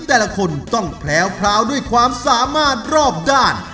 แต่ละคนต้องแพลวพราวด้วยความสามารถรอบด้าน